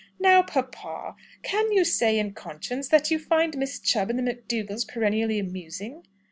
"Now, papa, can you say in conscience that you find Miss Chubb and the McDougalls perennially amusing?"